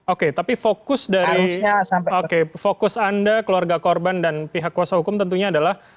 oke tapi fokus dari fokus anda keluarga korban dan pihak kuasa hukum tentunya adalah